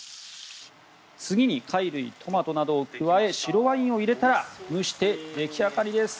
次に貝類、トマトなどを加え白ワインを入れたら蒸して出来上がりです。